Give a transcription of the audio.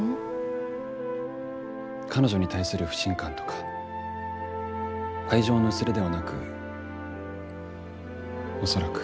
彼女に対する不信感とか愛情の薄れではなく恐らく。